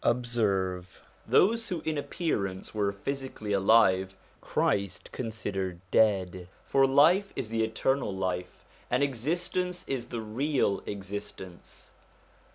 Observe: those who in appearance were physically alive, Christ considered dead; for life is the eternal life, and existence is the real existence.